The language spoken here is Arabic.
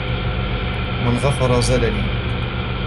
مَنْ غَفَرَ زَلَلِي